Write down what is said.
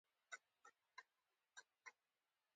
ایا زه باید په قیر سړک وګرځم؟